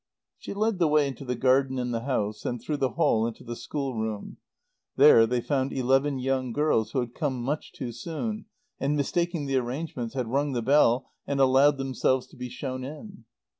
She led the way into the garden and the house and through the hall into the schoolroom. There they found eleven young girls who had come much too soon, and mistaking the arrangements, had rung the bell and allowed themselves to be shown in.